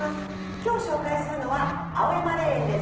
今日紹介するのは青山霊園です。